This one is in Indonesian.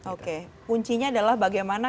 ok kuncinya adalah bagaimana